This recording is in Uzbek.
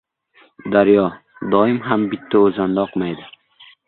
• Daryo doim ham bitta o‘zanda oqmaydi.